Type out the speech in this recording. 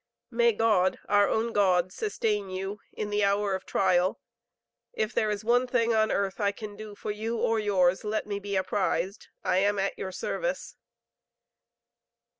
May God, our own God, sustain you in the hour of trial. If there is one thing on earth I can do for you or yours, let me be apprized. I am at your service.